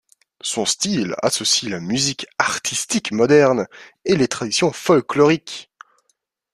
Son style associe la musique artistique moderne et les traditions folkloriques.